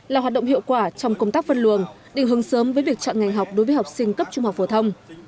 là hoạt động hiệu quả trong công tác phân luồng định hướng sớm với việc chọn ngành học đối với học sinh cấp trung học phổ thông